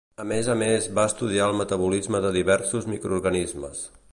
A més a més va estudiar el metabolisme de diversos microorganismes.